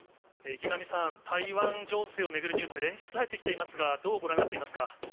池上さん、台湾情勢を巡るニュース、連日、入ってきていますが、どうご覧になっていますか？